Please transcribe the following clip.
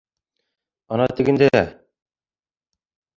— Ана тегендә!..